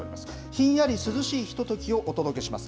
ひんやり涼しいひとときをお届けします。